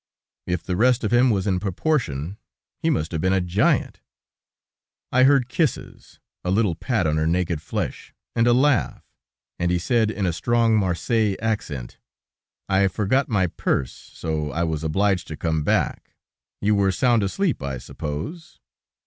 If the rest of him was in proportion, he must have been a giant. I heard kisses, a little pat on her naked flesh, and a laugh, and he said, in a strong Marseilles accent: "I forgot my purse, so I was obliged to come back; you were sound asleep, I suppose."